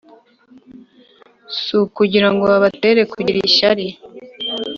S kugira ngo babatere kugira ishyari